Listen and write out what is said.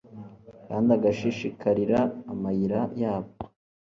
kandi agashishikarira amayira yabwo